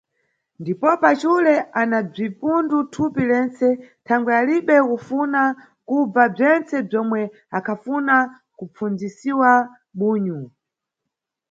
Ndipopa, xule ana bzipundu thupi lentse; thangwe alibe kufuna kubva bzentse bzomwe akhafuna kupfundzisa bunyu.